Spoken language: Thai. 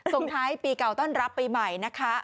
ส่งท้ายปีเก่าต้อนรับปีใหม่นะคะ